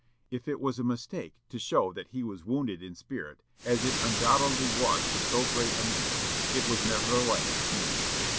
If it was a mistake to show that he was wounded in spirit, as it undoubtedly was for so great a man, it was nevertheless human.